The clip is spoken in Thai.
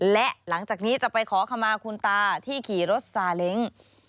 และหลังจากนี้จะไปขอขมาคุณตาที่ขี่รถซาเล้ง